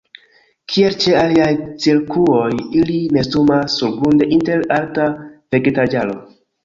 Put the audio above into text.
Kiel ĉe aliaj cirkuoj ili nestumas surgrunde inter alta vegetaĵaro.